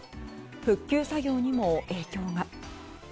復旧作業にも影響が。